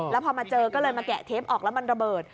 แล้วพอมาเจอก็เลยมาแกะเทปออกแล้วมันระเบิด